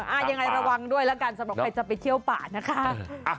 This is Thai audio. ยังไงระวังด้วยแล้วกันสำหรับใครจะไปเที่ยวป่านะคะ